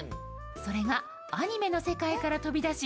それが、アニメの世界から飛び出し